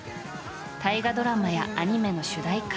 大河ドラマやアニメの主題歌